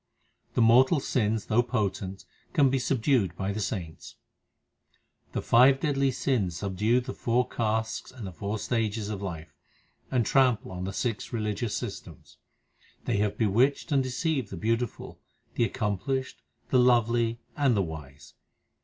The mortal sins, though potent, can be subdued by the saints : The five deadly sins subdue the four castes and the four stages of life, and trample on the six religious systems. They have bewitched and deceived the beautiful, the accomplished, the lovely, and the wise.